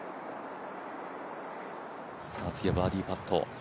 次はバーディーパット。